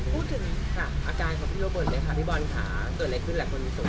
พูดถึงอาการคือของพี่บ้อนเลยนะคะพี่บอลค่ะ